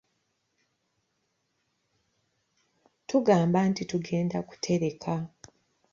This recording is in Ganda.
Tugamba nti tugenda kutereka.